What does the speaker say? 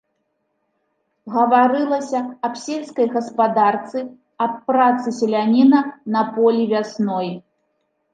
Гаварылася аб сельскай гаспадарцы, аб працы селяніна на полі вясной.